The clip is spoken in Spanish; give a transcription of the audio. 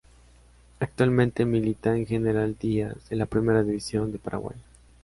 Actualmente milita en General Díaz de la Primera División de Paraguay.